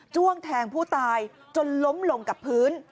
้วงแทงผู้ตายจนล้มลงกับพื้น